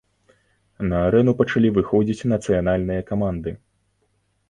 На арэну пачалі выходзіць нацыянальныя каманды.